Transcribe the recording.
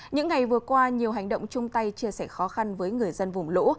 những ngày vừa qua nhiều hành động chung tay chia sẻ khó khăn với người dân vùng lũ